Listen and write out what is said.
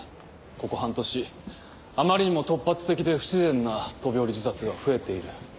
ここ半年あまりにも突発的で不自然な飛び降り自殺が増えている。